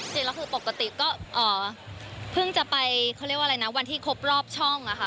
จริงแล้วคือปกติก็เพิ่งจะไปเขาเรียกว่าอะไรนะวันที่ครบรอบช่องอะค่ะ